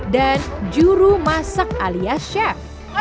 dan jurumasak a k a chef